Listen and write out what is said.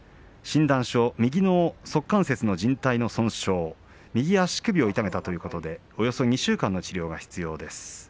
診断書、右の足関節のじん帯の損傷右足首を痛めたということでおよそ２週間の治療が必要です。